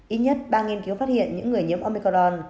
ít nhất ba nghiên cứu phát hiện những người nhiễm omicorn